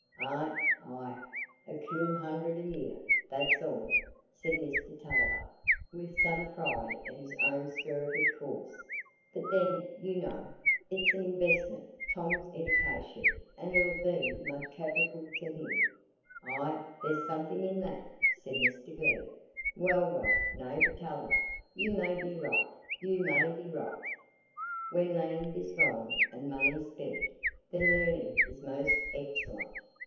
"Ay, ay, a cool hundred a year, that's all," said Mr Tulliver, with some pride at his own spirited course. "But then, you know, it's an investment; Tom's eddication 'ull be so much capital to him." "Ay, there's something in that," said Mr Glegg. "Well well, neighbour Tulliver, you may be right, you may be right: 'When land is gone and money's spent, Then learning is most excellent.